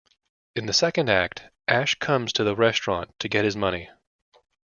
In the second act, Ash comes to the restaurant to get his money.